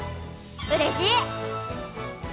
うれしい！